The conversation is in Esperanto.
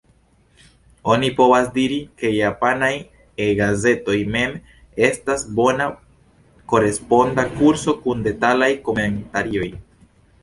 Oni povas diri, ke japanaj E-gazetoj mem estas bona koresponda kurso kun detalaj komentarioj.